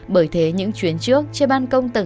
bởi thế những chuyến trước trên bàn công tầng hai